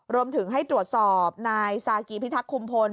รวมถึงให้ตรวจสอบนายซากีพิทักษุมพล